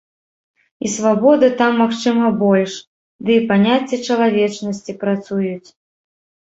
І свабоды там, магчыма, больш, ды і паняцці чалавечнасці працуюць!